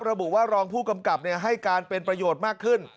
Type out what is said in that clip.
ระบุว่ารองผู้กำกับให้การเป็นประโยชน์มากขึ้น